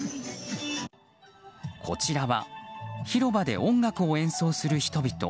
こちらは広場で音楽を演奏する人々。